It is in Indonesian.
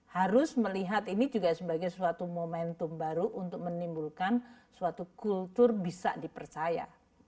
harus melihat ini juga sebagai suatu momentum baru untuk menimbulkan suatu kultur bisa dipercaya